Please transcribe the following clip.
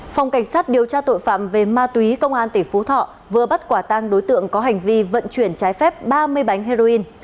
phòng cảnh sát điều tra tội phạm về ma túy công an tỉnh phú thọ vừa bắt quả tang đối tượng có hành vi vận chuyển trái phép ba mươi bánh heroin